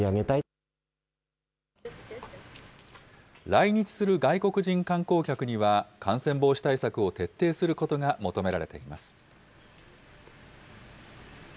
来日する外国人観光客には、感染防止対策を徹底することが求められています。